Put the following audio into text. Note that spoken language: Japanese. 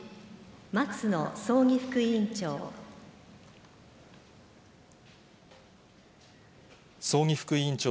松野葬儀副委員長。